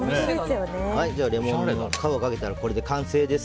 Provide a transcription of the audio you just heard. レモンの皮をかけたらこれで完成です。